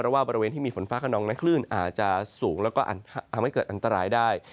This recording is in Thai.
ว่าบริเวณที่มีฝนฟ้าขนองนั้นคลื่นอาจจะสูงแล้วก็ทำให้เกิดอันตรายได้